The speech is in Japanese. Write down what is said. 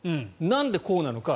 なんでこうなのか。